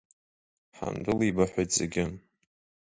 Ҳандәылибаҳәеит зегьы.